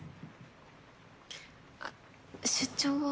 あっ出張は？